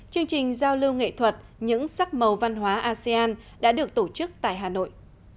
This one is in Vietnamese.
chương trình giao lưu nghệ thuật những sắc màu văn hóa asean đã được tổ chức tại hà nội